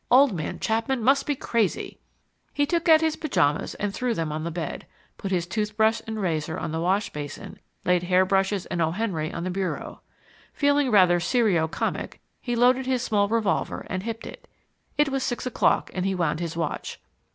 Old man Chapman must be crazy." He took out his pyjamas and threw them on the bed; put his toothbrush and razor on the wash basin, laid hairbrushes and O. Henry on the bureau. Feeling rather serio comic he loaded his small revolver and hipped it. It was six o'clock, and he wound his watch.